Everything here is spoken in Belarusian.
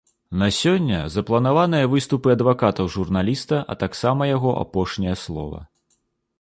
На сёння запланаваныя выступы адвакатаў журналіста, а таксама яго апошняе слова.